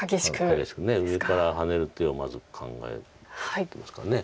激しく上からハネる手をまず考えてますか。